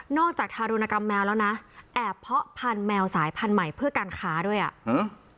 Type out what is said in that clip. จากทารุณกรรมแมวแล้วนะแอบเพาะพันธแมวสายพันธุ์ใหม่เพื่อการค้าด้วยอ่ะอืม